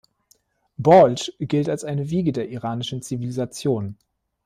Balch gilt als eine Wiege der iranischen Zivilisation.